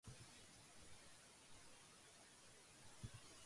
عسکری اداروں نے انہیں پالا پوسا تھا۔